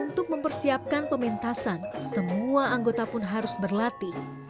untuk mempersiapkan pementasan semua anggota pun harus berlatih